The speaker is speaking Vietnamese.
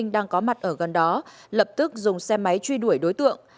đang có mặt ở gần đó lập tức dùng xe máy truy đuổi đối tượng